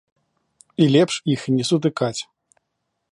І лепш іх не сутыкаць.